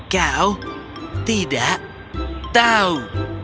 kau tidak tahu